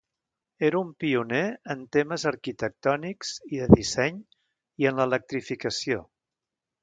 Era un pioner en temes arquitectònics i de disseny i en l'electrificació.